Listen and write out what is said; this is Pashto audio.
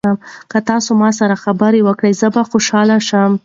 که تاسي ما سره خبرې وکړئ زه به خوشاله شم.